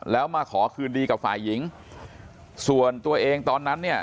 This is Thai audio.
แล้วมาขอคืนดีกับฝ่ายหญิงส่วนตัวเองตอนนั้นเนี่ย